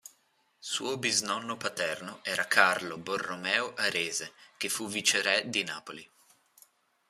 Suo bisnonno paterno era Carlo Borromeo Arese, che fu viceré di Napoli.